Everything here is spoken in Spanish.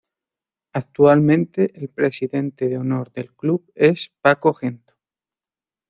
Actualmente el presidente de honor del club es Paco Gento.